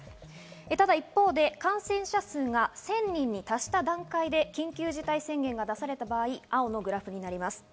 ただ一方で感染者数が１０００人に達した段階で緊急事態宣言が出された場合、青のグラフになります。